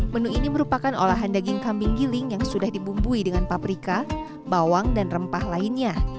menu ini merupakan olahan daging kambing giling yang sudah dibumbui dengan paprika bawang dan rempah lainnya